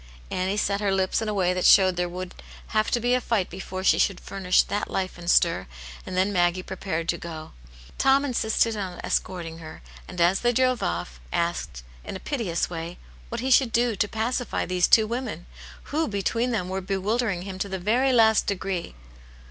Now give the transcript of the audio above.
Annie set her lips in a way that showed there would have to be a fight before she should furnish that life and stir, and then Maggie prepared to Qo, Tom insisted on escorting her, and as they drove off, asked, in a piteous way, what he should do to pacify these two women, who, between them, were bewilder ing him to the very last degree.